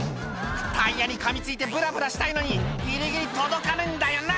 「タイヤにかみついてぶらぶらしたいのにギリギリ届かねえんだよな！」